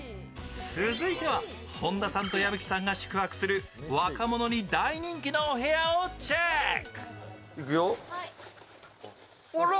続いては、本田さんと矢吹さんが宿泊する若者に大人気のお部屋をチェック。